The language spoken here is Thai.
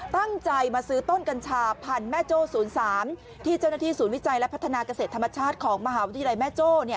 ตั้งใจมาซื้อต้นกัญชาพันธุ์แม่โจ้๐๓ที่เจ้าหน้าที่ศูนย์วิจัยและพัฒนาเกษตรธรรมชาติของมหาวิทยาลัยแม่โจ้